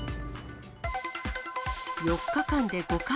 ４日間で５回？